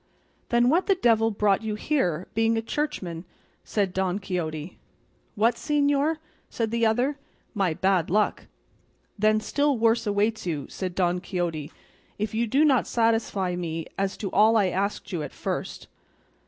"Then what the devil brought you here, being a churchman?" said Don Quixote. "What, señor?" said the other. "My bad luck." "Then still worse awaits you," said Don Quixote, "if you do not satisfy me as to all I asked you at first."